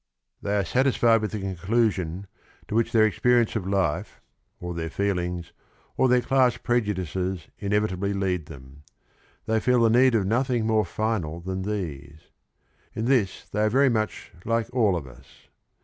They are satisfied with the conclusion to which their ex perience of life, or their feelings, or their class prejudices inevitably lead them. They feel the need of nothing more final than these. In this they are very much like all of us.